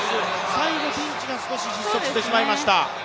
最後ティンチが少し失速してしまいました。